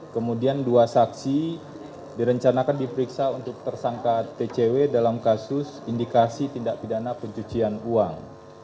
kemudian dua saksi direncanakan diperiksa untuk tersangka tcw dalam kasus indikasi tindak pidana pencucian uang